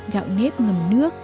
gạo nếp ngầm nước rãi nhỏ